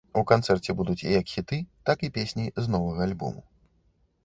У канцэрце будуць як хіты, так і песні з новага альбому.